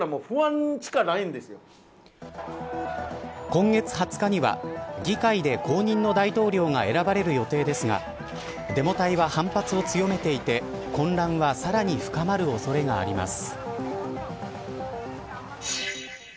今月２０日には議会で後任の大統領が選ばれる予定ですがデモ隊は、反発を強めていて混乱はさらに深まる恐れがあります。